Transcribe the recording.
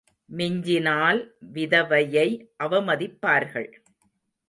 மிஞ்சினால் விதவையை அவமதிப்பார்கள்.